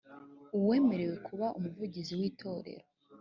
uwemerewe kuba umuvugizi w itorero